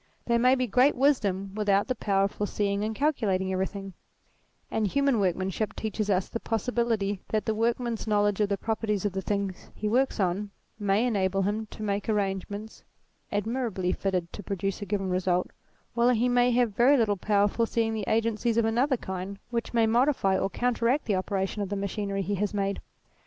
There may be great wisdom without the power of foreseeing and calculating everything : and human workmanship teaches us the possibility that the workman's knowledge of the properties of the things he works on may enable him to make arrangements admirably fitted to produce a given result, while he may have very little power of foreseeing the agencies of another kind which may modify or counteract the operation of the machinery he has made.